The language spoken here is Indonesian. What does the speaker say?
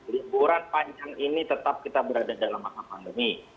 liburan panjang ini tetap kita berada dalam masa pandemi